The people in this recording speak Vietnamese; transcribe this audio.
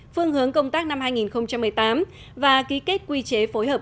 phương hướng công tác năm hai nghìn một mươi tám và ký kết quy chế phối hợp